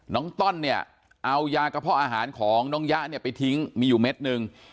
น้องต้นเอายากระเพาะอาหารของน้องยะไปทิ้งมีอยู่เม็ดนึง